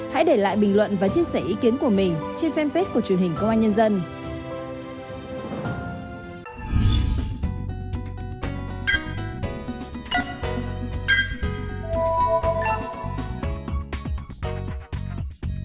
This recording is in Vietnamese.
hãy để lại bình luận và chia sẻ ý kiến của mình trên fanpage của truyền hình công an nhân dân